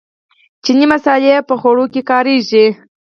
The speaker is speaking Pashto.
چیني مسالې په خوړو کې کاریږي.